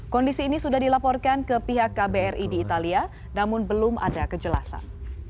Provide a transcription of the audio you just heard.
kondisi ini sudah dilaporkan ke pihak kbri di italia namun belum ada kejelasan